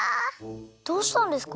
どうしたんですか？